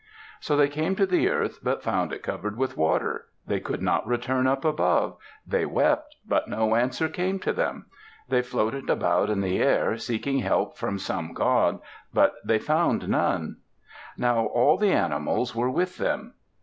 So they came to the earth but found it covered with water. They could not return up above. They wept, but no answer came to them. They floated about in the air, seeking help from some god; but they found none. Now all the animals were with them.